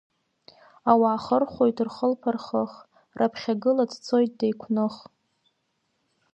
Аруаа хырхәоит рхылԥа рхых, раԥхьагыла дцоит деиқәных.